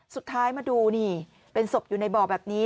สุดท้ายมาดูนี่เป็นศพอยู่ในบ่อแบบนี้